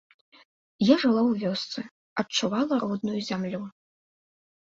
Я жыла ў вёсцы, адчувала родную зямлю.